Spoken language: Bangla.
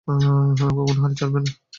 কখনো হাল ছাড়বে না।